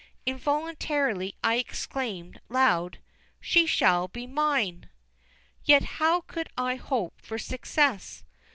Involuntarily I exclaimed, aloud, "She shall be mine!" Yet how could I hope for success?